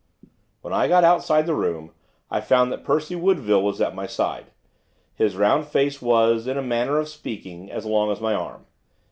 When I got outside the room I found that Percy Woodville was at my side. His round face was, in a manner of speaking, as long as my arm.